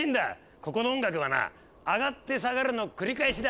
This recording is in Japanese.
ここの音楽はな上がって下がるの繰り返しだ！